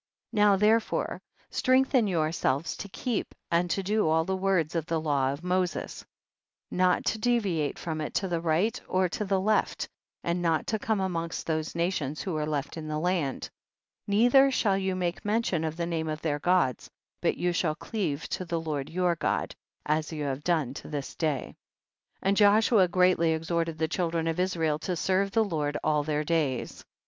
34. Now therefore strengthen yourselves to keep and to do all the words of the law of Moses, not to deviate from it to the riglit or to the left, and not to come amongst those nations who are left in the land ; nei ther shall you make mention of the name of their gods, but you shall cleave to the Lord your God, as you have done to this day. * N>3r3i N'joia, probably names of places in ancient Greece. 266 THE BOOK OF JASHER. 35. And Joshua greatly exhorted the children of Israel to serve the Lord all their days.